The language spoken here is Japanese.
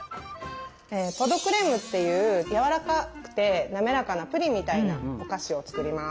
「ポ・ド・クレーム」っていうやわらかくて滑らかなプリンみたいなお菓子を作ります。